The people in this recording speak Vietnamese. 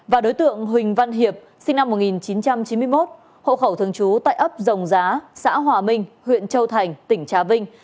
và đối tượng huỳnh văn hiệp sinh năm một nghìn chín trăm chín mươi một hộ khẩu thường trú tại ấp rồng giá xã hòa minh huyện châu thành tỉnh trà vinh